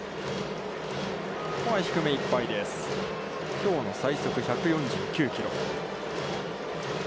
きょうの最速１４９キロ。